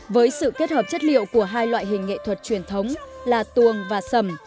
với sự kết hợp chất liệu của hai loại hình nghệ thuật truyền thống là tuồng và sầm